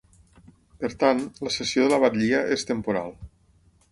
Per tant, la cessió de la batllia és ‘temporal’.